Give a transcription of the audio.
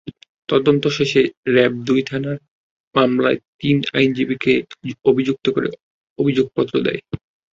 তদন্ত শেষে র্যাব দুই থানার মামলায় তিন আইনজীবীকে অভিযুক্ত করে অভিযোগপত্র দেয়।